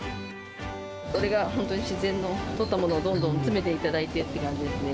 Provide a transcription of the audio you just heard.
これが本当に自然に取ったものをどんどん詰めていただいてって感じですね。